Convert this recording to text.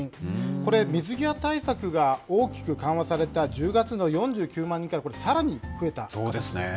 これ、水際対策が大きく緩和された１０月の４９万人から、これ、さらに増えた。